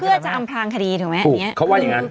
เพื่อจะอำพลางคดีถูกไหมอันนี้เขาว่าอย่างงั้น